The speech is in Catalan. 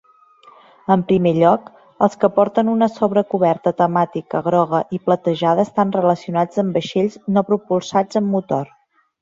En primer lloc, els que porten una sobrecoberta temàtica groga i platejada estan relacionats amb vaixells "no propulsats amb motor".